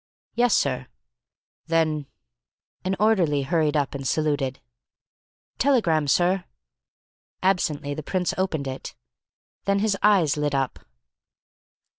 "Yes, sir." "Then " An orderly hurried up and saluted. "Telegram, sir." Absently the Prince opened it. Then his eyes lit up.